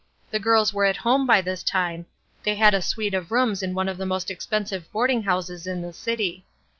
The girls were at home by this time ; A REBEL 65 they had a suite of rooms in one of the most expensive boarding houses in the city.